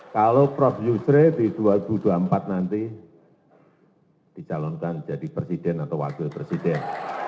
kalau prof yusri di dua ribu dua puluh empat nanti dicalonkan jadi presiden atau wakil presiden